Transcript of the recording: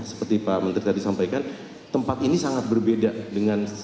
seperti pak menteri tadi sampaikan tempat ini sangat berbeda dengan